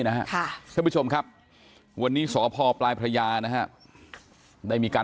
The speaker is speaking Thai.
นะคะคุณผู้ผู้ชมครับวันนี้สพปรายพรยานะคะได้มีการ